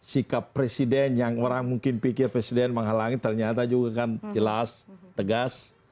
sikap presiden yang orang mungkin pikir presiden menghalangi ternyata juga kan jelas tegas